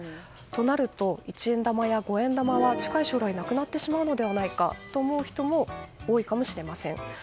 となると、一円玉や五円玉は近い将来なくなるのではないかと思う人も多いかもしれません。